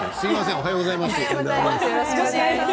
おはようございます。